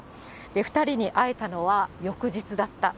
２人に会えたのは翌日だった。